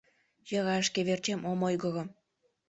Йӧра, шке верчем ом ойгыро.